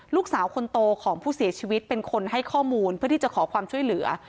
ลูกสาวคนโตของผู้เสียชีวิตเป็นคนให้ข้อมูลเพื่อที่จะขอความช่วยเหลือ